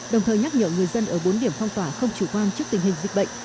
đồng thời nhắc nhở người dân ở bốn điểm phong tỏa không chủ quan trước tình hình dịch bệnh